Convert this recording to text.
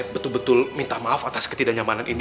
betul betul minta maaf atas ketidaknyamanan ini